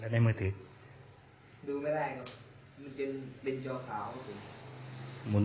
แต่ในมือถือดูไม่ได้ครับมันเป็นเป็นจอขาวครับผมหมุน